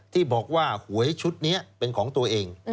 ที่บอกว่าหวยชุดนี้เป็นของตัวเอง